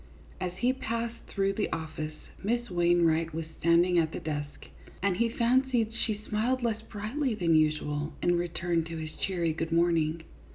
As he passed through the office, Miss Wainwright was standing at the desk, and he fancied she smiled less brightly than usual, in return to his cheery good morning.